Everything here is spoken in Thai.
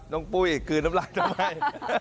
ปุ้ยกลืนน้ำลายทำไม